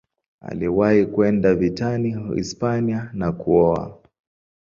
Aliwahi kwenda vitani Hispania na kuoa.